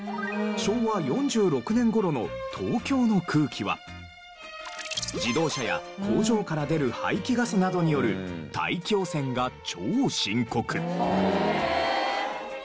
昭和４６年頃の東京の空気は自動車や工場から出る排気ガスなどによる大気汚染が超深刻。